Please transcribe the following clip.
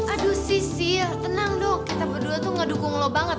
aduh sih sil tenang dong kita berdua tuh ngedukung lo banget